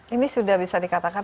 ini sudah bisa dikatakan